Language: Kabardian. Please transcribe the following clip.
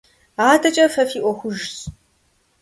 АдэкӀэ фэ фи Ӏуэхужщ.